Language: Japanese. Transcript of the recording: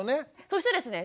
そしてですね